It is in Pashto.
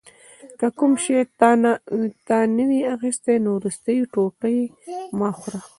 که کوم شی تا نه وي اخیستی نو وروستی ټوټه یې مه خوره.